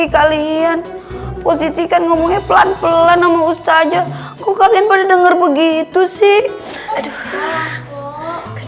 kalian posisi kan ngomongnya pelan pelan nama ustazah kok kalian pada denger begitu sih